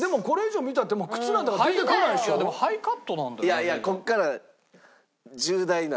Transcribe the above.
いやいやここから重大な。